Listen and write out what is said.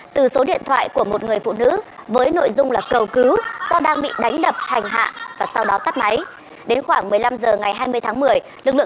từ số điện thoại của một người phụ nữ